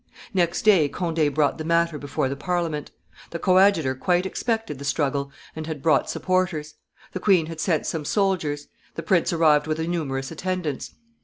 Next day Conde brought the matter before the Parliament. The coadjutor quite expected the struggle, and had brought supporters; the queen had sent some soldiers; the prince arrived with a numerous attendance.